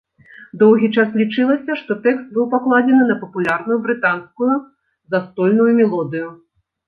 Доўгі час лічылася, што тэкст быў пакладзены на папулярную брытанскую застольную мелодыю.